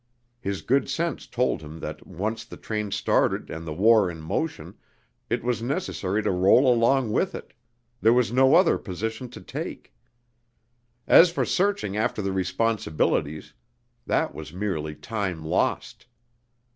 His good sense told him that, once the train started and the war in motion, it was necessary to roll along with it; there was no other position to take. As for searching after the responsibilities, that was merely time lost.